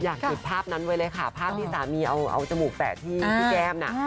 เก็บภาพนั้นไว้เลยค่ะภาพที่สามีเอาจมูกแปะที่พี่แก้มน่ะ